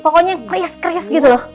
pokoknya yang kris kris gitu loh